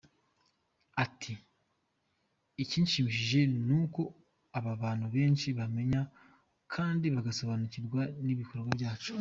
Ati “Ikinshimishije ni uko ubu abantu benshi bamenye kandi bagasobanukirwa n’ibikorwa byacu.